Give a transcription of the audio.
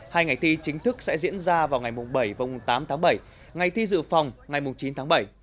hai ngày thi chính thức sẽ diễn ra vào ngày bảy và tám tháng bảy ngày thi dự phòng ngày chín tháng bảy